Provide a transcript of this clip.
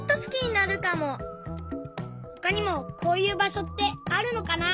ほかにもこういうばしょってあるのかな？